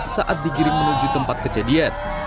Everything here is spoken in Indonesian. saat digiring menuju tempat kejadian